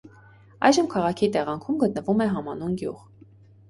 Այժմ քաղաքի տեղանքում գտնվում է համանուն գյուղ։